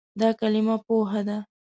دا کلمه "پوهه" ده.